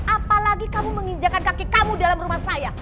apalagi kamu menginjakan kaki kamu dalam rumah saya